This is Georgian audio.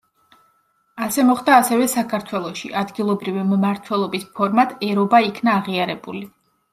ასე მოხდა ასევე საქართველოში, ადგილობრივი მმართველობის ფორმად ერობა იქნა აღიარებული.